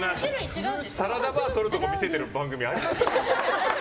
サラダバーとるとこ見せてる番組あります？